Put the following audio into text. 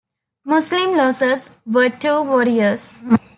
Muslim losses were two warriors.